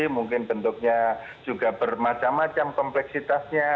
mungkin bentuknya juga bermacam macam kompleksitasnya